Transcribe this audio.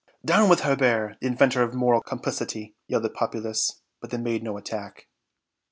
"Down with Hebert, the inventor of moral complicity!" yelled the populace, but they made no attack.